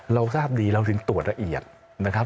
เราทราบดีเราถึงตรวจละเอียดนะครับ